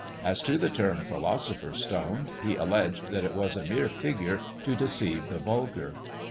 As to the term philosopher's stone, he alleged that it was a mere figure to deceive the vulgar.